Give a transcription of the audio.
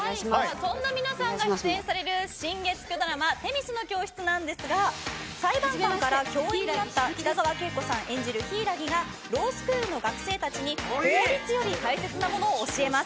そんな皆さんが出演される新月９ドラマ女神の教室なんですが裁判官から教員になった北川景子さん演じる柊木がロースクールの学生たちに法律より大切なものを教えます。